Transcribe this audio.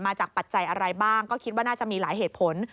ปัจจัยอะไรบ้างก็คิดว่าน่าจะมีหลายเหตุผล